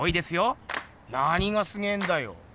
なにがすげえんだよ？